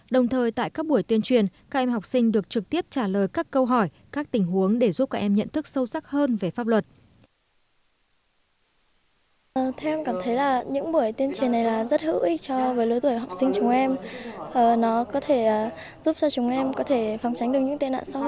đồng thời tại các buổi tuyên truyền các em học sinh được trực tiếp trả lời các câu hỏi các tình huống để giúp các em nhận thức sâu sắc hơn về pháp luật